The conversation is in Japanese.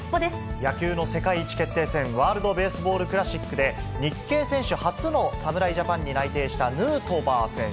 野球の世界一決定戦、ワールドベースボールクラシックで、日系選手初の侍ジャパンに内定したヌートバー選手。